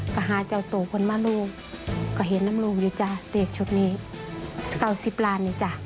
ก็หาเจ้าตู่คนมาดูก็เห็นน้ำลูกอยู่จ้ะเด็กชุดนี้๙๐ล้านนี่จ้ะ